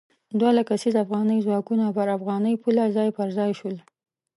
دوه لک کسیز افغاني ځواکونه پر افغاني پوله ځای پر ځای شول.